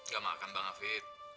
gak makan bang hafid